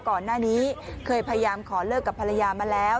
ก่อนหน้านี้เคยพยายามขอเลิกกับภรรยามาแล้ว